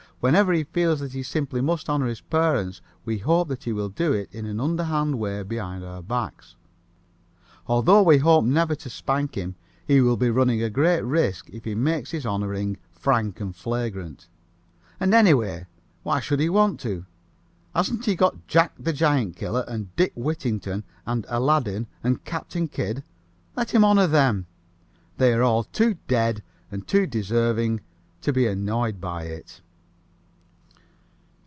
Whenever he feels that he simply must honor his parents we hope that he will do it in an underhand way behind our backs. Although we hope never to spank him, he will be running a great risk if he makes his honoring frank and flagrant. And, anyway, why should he want to? Hasn't he got Jack the Giant Killer, and Dick Whittington, and Aladdin and Captain Kidd? Let him honor them. They are all too dead and too deserving to be annoyed by it.